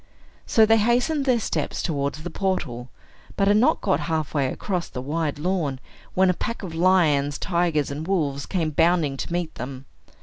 So they hastened their steps towards the portal, but had not got half way across the wide lawn, when a pack of lions, tigers, and wolves came bounding to meet them.